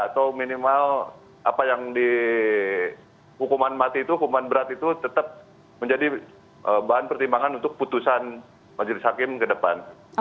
atau minimal apa yang dihukuman mati itu hukuman berat itu tetap menjadi bahan pertimbangan untuk putusan majelis hakim ke depan